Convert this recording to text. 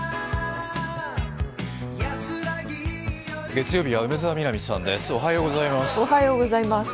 月曜日は梅澤美波さんです。